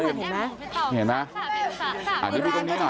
อยากจะเห็นว่าลูกเป็นยังไงอยากจะเห็นว่าลูกเป็นยังไง